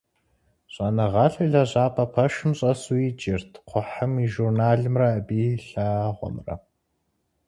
ЩӀэныгъэлӀ и лэжьапӀэ пэшым щӀэсу иджырт кхъухьым и журналымрэ абы и лъагъуэмрэ.